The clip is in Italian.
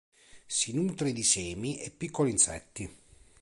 Si nutre di semi e piccoli insetti.